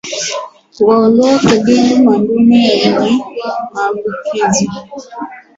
Kuwaondoa kundini madume yenye maambukizi